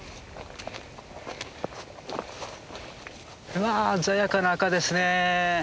うわ鮮やかな赤ですねえ。